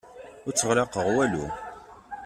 Ur tteɣlaqeɣ walu.